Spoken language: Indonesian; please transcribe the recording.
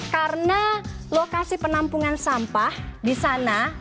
karena lokasi penampungan sampah di sana